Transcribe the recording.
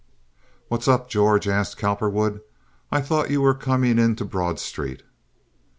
"What's up, George?" asked Cowperwood. "I thought you were coming into Broad Street."